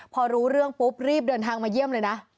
พอรู้เรื่องปุ๊บรีบเดินทางมาเยี่ยมเลยนะ